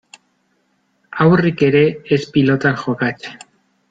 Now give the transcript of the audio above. Haurrik ere ez pilotan jokatzen.